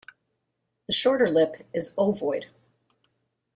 The shorter lip is ovoid.